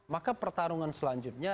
maka pertarungan selanjutnya